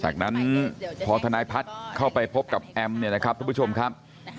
จากนั้นพอทนายพัฒน์เข้าไปพบกับแอมร้องทุกประชมครับ